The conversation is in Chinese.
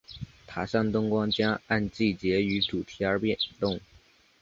塔上灯光将按季节与主题而变动。